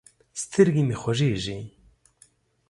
سترګې مې خوږېږي.